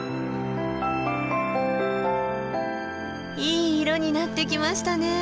いい色になってきましたね。